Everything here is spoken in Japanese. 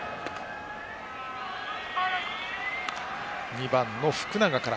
２番の福永から。